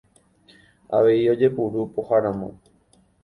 Avei ojepuru pohãramo.